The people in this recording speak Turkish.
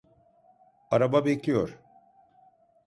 Araba bekliyor.